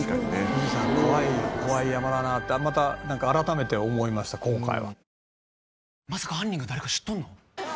富士山怖い怖い山だなってまた改めて思いました今回は。